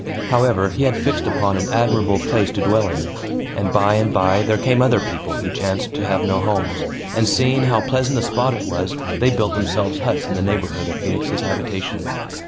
However, he had fixed upon an admirable place to dwell in. And by and by there came other people, who chanced to have no homes; and, seeing how pleasant a spot it was, they built themselves huts in the neighborhood of Phoenix's habitation.